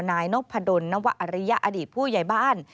นายนพดลนวอริยอดีตผู้ใหญ่บ้าน